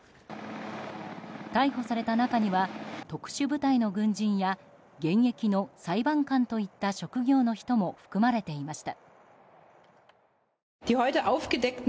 逮捕された中には特殊部隊の軍人や現役の裁判官といった職業の人も含まれていました。